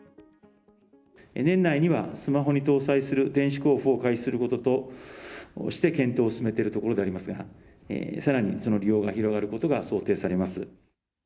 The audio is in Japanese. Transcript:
年内にはスマホに搭載する電子交付を開始することとして検討を進めているところでありますが、さらにその利用が広がることが想定されます。